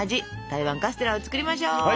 台湾カステラを作りましょう。